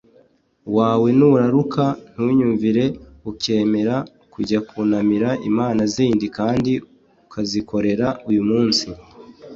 wawe nuraruka, ntunyumvire, ukemera kujya kunamira imana zindi kandi ukazikorera, uyu munsi